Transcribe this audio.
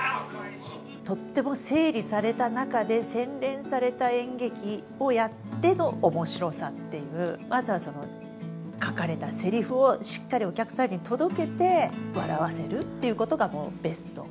とっても整理された中で、洗練された演劇をやってのおもしろさっていう、まずはその書かれたせりふをしっかりお客さんに届けて、笑わせるっていうことがベスト。